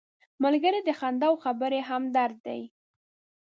ملګری د خندا او خبرې همدرد دی